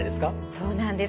そうなんです。